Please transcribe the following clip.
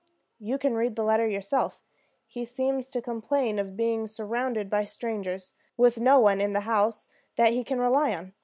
"You can read the letter yourself. He seems to complain of being surrounded by strangers, with no one in the house that he can rely on.